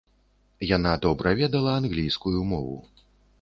Яна добра ведала англійскую мову.